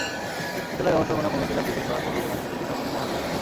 বিদ্যালয় ব্যবস্থাপনা কমিটি চাকরি শেষ হওয়ার পরও প্রধান শিক্ষককে স্বপদে বহাল রেখেছে।